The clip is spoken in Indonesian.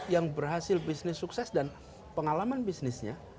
yang berhasil bisnis sukses dan pengalaman bisnisnya